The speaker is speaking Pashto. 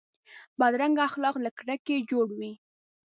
بدرنګه اخلاق له کرکې جوړ وي